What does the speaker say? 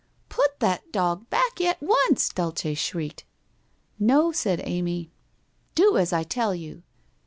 1 Put that dog back at once,' Dulcc shrieked. ' No/ >aid Amy. 'Do as T tell you.'